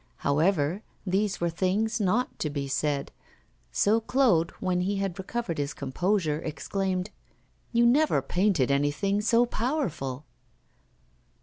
However, these were things not to be said; so Claude, when he had recovered his composure, exclaimed: 'You never painted anything so powerful!